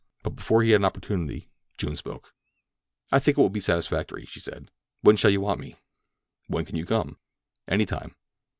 But before he had an opportunity June spoke. "I think that will be satisfactory," she said. "When shall you want me?" "When can you come?" "Any time."